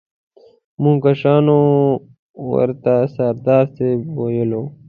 موږ کشرانو ورته سردار صاحب ویلو.